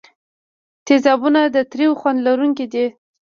تیزابونه د تریو خوند لرونکي دي.